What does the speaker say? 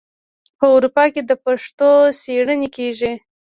په اروپا کې د پښتو څیړنې کیږي.